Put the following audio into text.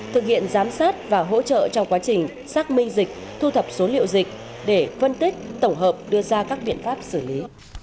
thực hiện giám sát và hỗ trợ trong quá trình xác minh dịch thu thập số liệu dịch để phân tích tổng hợp đưa ra các biện pháp xử lý